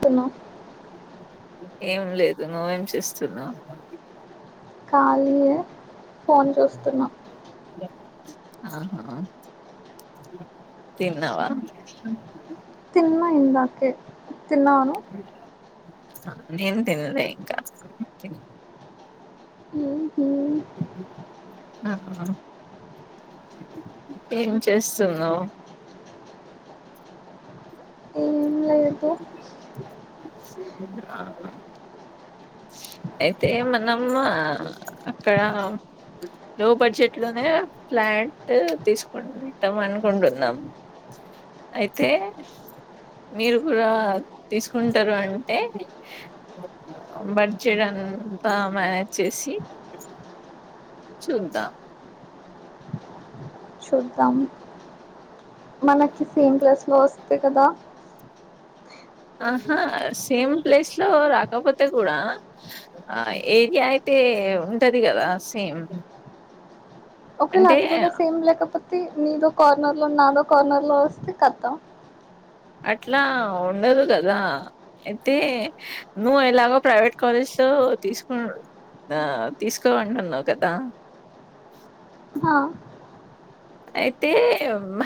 తున్నా ఏం లేదు నువ్వేం చేస్తున్నావ్ ఖాళీయే ఫోన్ చూస్తున్నా ఆహా తిన్నవా తిన్నా ఇందాకే తిన్నావ నువ్ నేను తిన్లే ఇంక హ్మ్ [inaudible] ఏం చేస్తున్నావ్ ఏం లేదు ఆ అయితే మనం అహ్ అక్కడ లొ బడ్జెట్ లొనే ఫ్లాంట్ తీసుకున్ ట్టం అనుకుంటున్నం అయితే మీరు గూడా తీసుకుంటరు అంటే బడ్జెట్ అంతా మానేజ్ చేసి చూద్దా చూద్దాం మనకి సేమ్ ప్లేస్ లొ ఒస్తే కదా ఆహా సేమ్ ప్లేస్ లో రాకపోతే కూడా అ ఏరియా అయి తే ఉంటది గదా సేమ్ ఓకెల అంటే అది కుడా సేమ్ లేకపోత్ తె నీదో కార్నర్ లొ నాదో కార్నర్ లొ వస్తే కత అట్లా ఉండదు గదా ఐతె యే నువ్వు ఎలాగొ ప్రైవేట్ కాలేజ్ తొ తీసుకొ అ తీసుకోమంటున్నవ్ కదా హా అయితే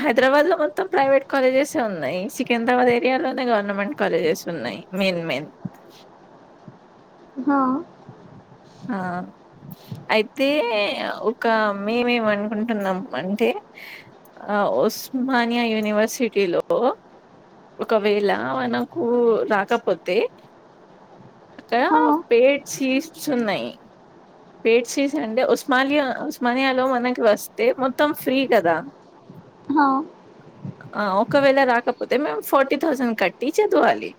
హైదరాబాద్ లో మొత్తం ప్రైవేట్ కాలేజెస్ యే ఉన్నాయి. సికింద్రాబాద్ ఏరియాలోనే గ్ గవర్నమెంట్ కాలజెస్ ఉన్నయ్. మెయిన్ మెయిన్ హ ఆ ఐతే ఒక మేమేమనుకుంటున్నాం అంటే అఒ ఉస్మానియా యూనివర్సిటీలో ఒకవేళ మనకు రాకపోతే ఒక హా, పేయ్డ్ సీట్సున్నయ్ పేయ్డ్ సిస్ అంటే ఉస్మానియా ఉస్మానియాలో మనకి వస్తే మొత్తం ఫ్రీ కదా. హ ఆ ఒకవేళ రాకపోతే మేము ఫార్టీ థౌజండ్ కట్టి చదవాలి.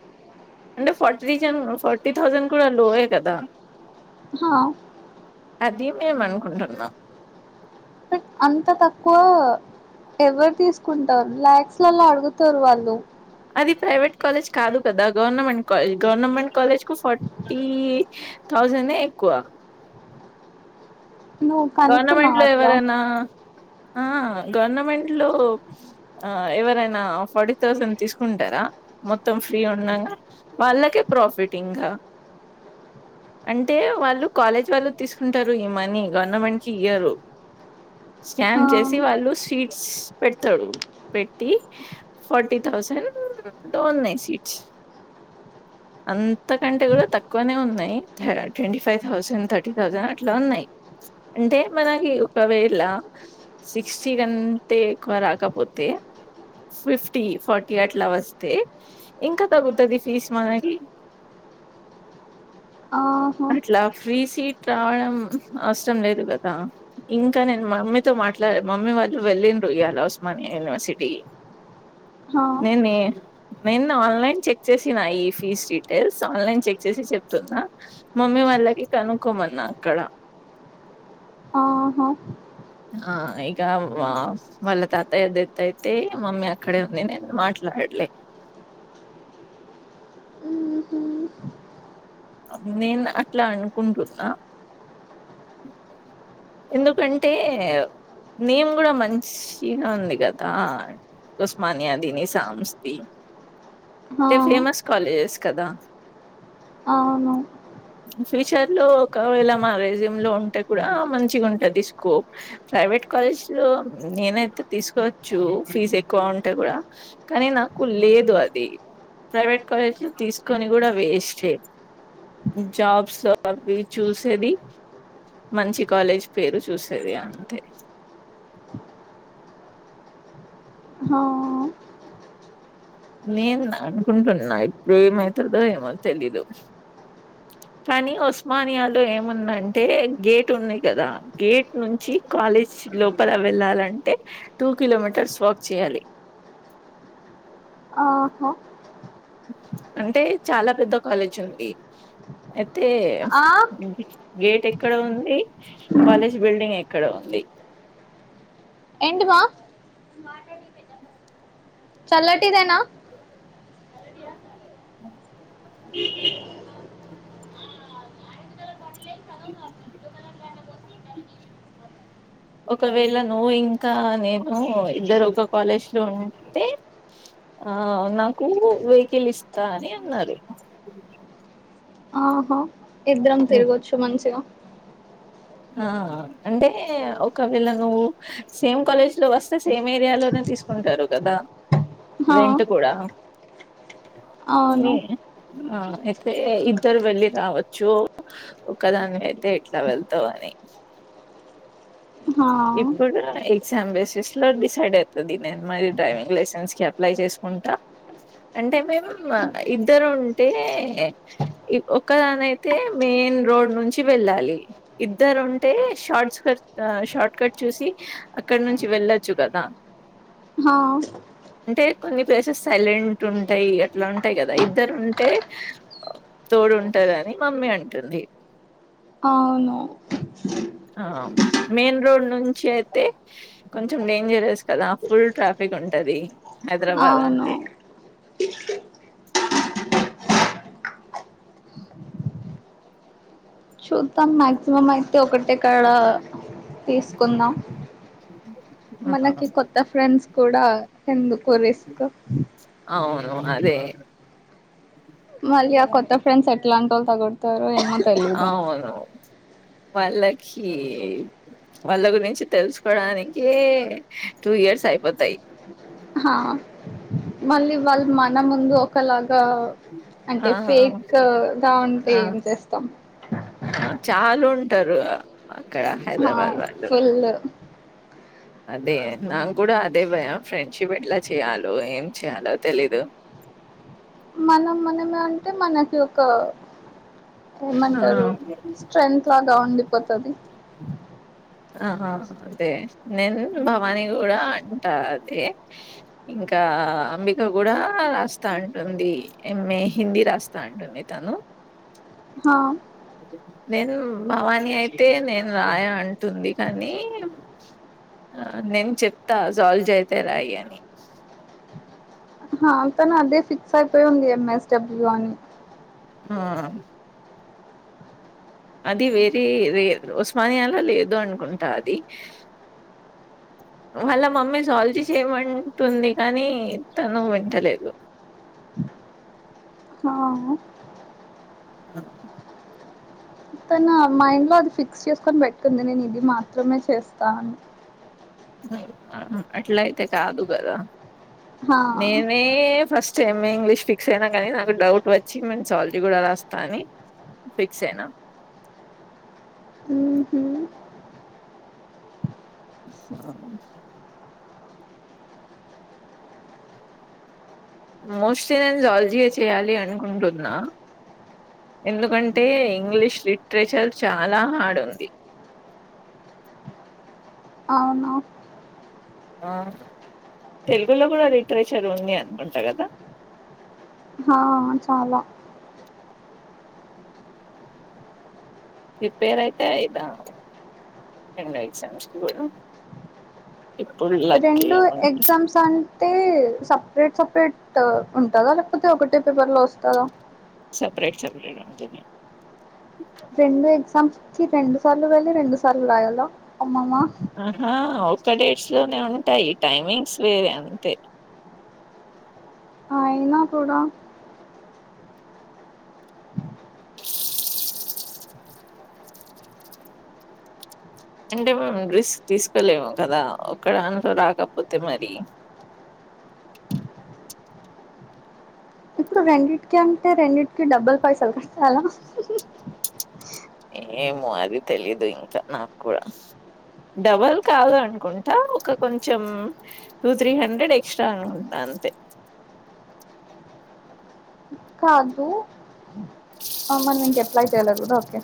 అంటే ఫార్టి రిజన్ ఫార్టీ థౌజండ్ కూడ లోయే కదా హ అది మేమనుకుంటున్నం అంత తక్కువ ఎవరు తీసుకుంటారు ల్యాక్స్ లల్ల అడుగుతరూ వాళ్ళు అది ప్రైవేట్ కాలేజ్ కాదు కదా గవర్నమెంట్ కాలేజ్ గవర్నమెంట్ కాలేజ్ కు ఫార్టీ ఇ థౌజండె ఎక్కువ నువ్వు గవర్నమెంట్ కనుక్కున్నావు లో అట్లా ఎవరైనా ఆ గవర్నమెంట్ లో ఆ ఎవరైనా ఫార్టీ థౌసండ్ తీసుకుంటారా. మొత్తం ఫ్రీ ఉన్నంగ వాళ్ళకే ప్రాఫిట్ ఇంగా అంటే వాళ్ళు కాలేజ్ వాళ్ళు తీసుకుంటరు. ఈ మనీ గవర్నమెంట్ కి ఇయ్యరు. స్కామ్ హా, చేసి వాళ్ళు స్వీట్స్ పెడతాడు. పెట్టి ఫార్టీ థౌ థౌసండ్ టొ ఉన్నయ్ సిట్స్ అంతకంటే గూడా తక్కువనే ఉన్నయ్. థ్ twenty five thousand thirty thousand అట్లా ఉన్నయ్. అంటే మనకి ఒకవేళ సిక్స్టీ కంటే ఎక్కువ రాకపోతే ఫిఫ్టీ ఫార్టీ అట్లా వస్తే ఇంకా తగ్గుతది ఫీజ్ మనకి ఆహా, అట్లాప్ ఫ్రీ సీట్ రావడం అవసరం లేదు గదా ఇంకా నేను మమ్మీతొ మాట్లాలె మమ్మీ వాళ్ వాళ్ళు వెళ్ళిన్రు ఇయాల ఉస్మానియా యూనివర్సిటీ హా, నేను నేను ఆన్లైన్ చెక్ చేసిన ఈ fees seat so online check చేసి చెప్తున్నా మమ్మీ వాళ్ళకి కనుకోమన్నా అక్కడ ఆహా ఆ ఇగ వ వాళ్ళ తాతయ ఎద్దత్తైతే మమ్మీ అక్కడ ఉండింది మాట్లాడ లెట్లే మ్మ్హ్మ్. నేన అట్లా అనుకుంటున్నా ఎందుకంటే నేమ్ కూడా మంచిగా ఉంది కదా ఉస్మానియాది ని సామస్తి హా, అంటే ఫేమస్ కాలేజెస్ కదా అవును ఫ్యూచర్ లో ఒకవేళ మ్యారేజ్ ఎమ్ లో ఉంటే కూడా మంచిగా ఉంటాది స్కోప్ ప్రైవేట్ కాలేజ్ లో నేనైతే తీసుకో చ్చు ఫీజ్ ఎక్కువ ఉంటే కూడా కానీ నాకు లేదు అది ప్రైవేట్ కాలేజీలు తీసుకొని కూడా వేస్ట్ ఎ జాబ్స్ అవి చూసేది మంచి కాలేజ్ పేరు చూసేది అంతే హా, నేన అనుకుంటున్నా ఇప్పుడు ఏమైతాదో ఏమో తెలీదు కానీ ఉస్మానియాలో ఏముందంటే గేట్ ఉంది కదా గేట్ నుంచి కాలేజ్ లోపల వెళ్ళాలంటే టూ కిలోమీటర్స్ వాక్ చేయాలి ఆహో అంటే చాలా పెద్ద కాలేజ్ ఉంది తే ఆ, గేట్ ఎక్కడ ఉంది కాలేజ్ బిల్డింగ్ ఎ క్కడ ఉంది ఎంటి మా చల్లటిదేనా ఒకవేళ నువ్వు ఇంకా నేను ఇద్దరు ఒక కాలేజ్ లో ఉంటే ఆ నాకు వెహికిల్ ఇస్తా అని అన్నారు ఆహా ఇద్దరం తిరగొచ్చు మంచిగా ఆ అంటే ఒకవేళ నువ్వు సేమ్ కాలేజ్ లో వస్తే సేమ్ ఏరియాలోనే తీసుకుంటారు కదా హా, రెంట్ కూడా అవును నీ ఆ అయితే ఇద్దరు వెళ్ళి రావచ్చు ఒకదానివైతే ఎట్లా వెళ్ ళ్తా వని హా, ఇప్పుడు ఓయ్ ఎగ్జామ్ బేసిస్ లో డిసైడ్ అయుతది నేను మరి డ్రైవింగ్ లైసెన్స్ కి అప్లై చేసుకుంటా అంటే మేం మ్ ఇద్దరు ఉంటే ఇ ఒక్కదానయితే మే మెయిన్ రోడ్ నుంచి వెళ్ళాలి ఇద్దరు ఉంటే షాట్సకట్స్ అ షార్ట్ ఇక్కడ చూసి అక్కడ నుంచి వెళ్ళొచ్చు కదా హా అంటే కొన్ని ప్లేసెస్ సైలెంట్ ఉంటాయి అట్లా ఉంటాయి కదా ఇద్దరు ఉంటే తోడ్ గుడి ఉంటాదని మమ్మీ అంటుంది అవును ఆమ్ మెయిన్ రోడ్ నుంచి అయితే కొంచెం డేంజరస్ కదా ఫుల్ ట్రాఫిక్ ఉంటది హైదరాబాద్ అవును అంటే చూద్దాం మాక్సిమం అయితే ఒకటే కాడా తీస్కుందాం. ఆ! మనకి కొత్త ఫ్రెండ్స్ కూడా ఎందుకో రిస్క్. అవును అదే మళ్ళీ ఆ కొత్త ఫ్రెండ్స్ యెట్లాంటోల్ తగుల్తారో అవును వాళ్ళకి వాళ్ళ గురించి తెలుసుకోడానికే టూ ఇయర్స్ అ అయిపొతయ్ హా మళ్ళీ వాళ్ళు మన ముందు ఒక లాగా ఆ అంటే ఫేక్ గా ఉంటే ఏం చేస్తాం. ఆ చాలుంటరు అక్కడ ఆ హైద్రాబాద్ వాళ్ళు ఫుల్ అదే నాక్కుడా అదే భయం ఫ్రెండ్షిప్ ఎట్ల చేయాలో ఏం చెయాలో తెలీదు. మళ్ళ మనమే అంటే మనకి ఒక ఆ ఏమంటరు స్ట్రెంత్ లాగా ఉండిపొతది. ఆహ అంటే నేను భవానీ గూడా అంటా అదే ఇంక ఆ అంబిక గుడా అస్త అంటుంది. ఎంఏ హిందీ రాస్తా అంటుంది తను హ నేన్ భవానీ అయితే నేన్ రాయ అంటుంది కనీ ఆ నేన్ చెప్తా జూలాజి అయితే రాయి అని హా తను అదే ఫిక్స్యైపోయి ఉంది ఎంఎస్ డబ్ల్యూ అని ఆ.. అది వేరి వేర్ ఉస్మానియాల లేదు అనుకుంటా అది వాళ్ళ మమ్మీ జూలాజి చేయి మంటుంది కనీ తను వింటలేదు. ఆ.... హ్ హ్ అహ్ తన మైండ్లో అది ఫిక్స్ చేస్కొని పెట్టుంది నేన్ ఇది మాత్రమే చేస్తా అని అట్లైతే కాదు గదా హా మేమే ఫస్ సే ఎంఏ ఇంగ్లీష్ ఫిక్స్ అయినం గనీ నాకు డౌట్ వచ్చి మేమ్ జూలాజి గుడ రాస్తా అని ఫిక్సయిన. మ్ హ్ ఆహ్ మోస్ట్లీ నేను జూలాజియే చేయాలి అనుకుంటున్నా. ఎందుకంటే ఇంగ్లీష్ లిట్రేచర్ చాలా హాడ్ అది. అవునా ఆ తెలుగులో గుడ లిట్రేచర్ ఉంది అనుకుంటా గదా హా చాలా ప్రిపేర్ అయితే అయిదాం రెండో ఎగ్జామ్స్కి గుడా రెండో ఎగ్జామ్స్ అంటే సపరేట్ సపరేట్ ట్ ఉంటదా లేక్పోతే ఒకటే పేపర్లో ఒస్తదా? చెప్పలేన్ అంతే రెండు ఎగ్జామ్స్ ఇచ్చి రెండు సార్లు వెళ్ళి రెండు సార్లు రాయాల అమ్మమ్మ. ఆహా ఒక్క డేట్స్లోనే ఉంటాయి టైమింగ్స్ వేరే అంతే అయినా కుడా అంటే మేం ర్రిస్క్ తీస్కోలేము కదా ఒక్కదాన్తో రాకపొతే మరి ఇప్పుడు రెండింటికి అంటే రెండింటికి డబ్బులు పైసలు కట్టాలా. ఏమో అది తెలీదు ఇంకా నాకుడా. డబల్ కాదు అనుకుంటా ఒక కొంచం టూ, త్రీ హండ్రెడ్ ఎక్స్ట్రా అనుకుంటా అంతే కాదు మనం ఇంకా ఎప్లై చేయలే అనుకుంట ఓకె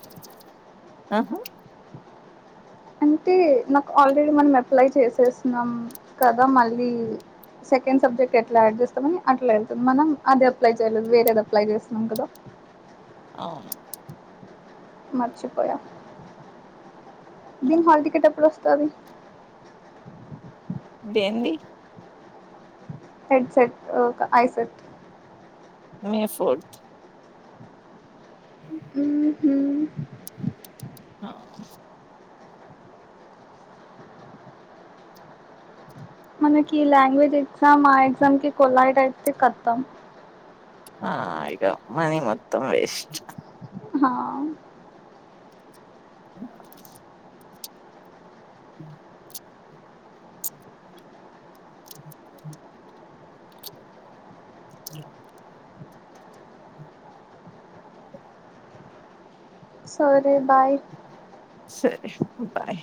ఆహ్. అంటే నాకు ఆల్రెడీ మనం అప్లై చేసేసినం కదా మళ్ళీ. సెకండ్ సబ్జెక్ట్ ఎట్లా యాడ్ చేస్తామని అట్లా వెళ్తుంది మనం అది అప్లై చేయలేదు వేరేది అప్లై చేస్తున్నాం కదా. అవును. మరిచిపోయార. దీని అవును హాల్ టికెట్ ఎప్పుడోస్తది. దేంది. హెడ్ సెట్ ఆహ్ ఐసెట్. May fourth. ఉమ్. ఆహ్. మనకి ఈ లాంగ్వేజ్ ఎగ్జామ్ ఆ ఎగ్జామ్ కి పోలైట్ అయితే కతం. ఆహ్ ఇగ మనీ మొత్తం వేస్ట్. ఆహ్. ప్చ్. [unintelligible] సరే బాయ్. సరే బాయ్.